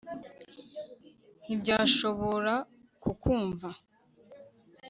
ntibashobora kukumva